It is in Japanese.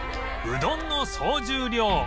うどんの総重量